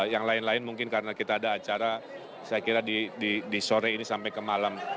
yang lain lain mungkin karena kita ada acara saya kira di sore ini sampai ke malam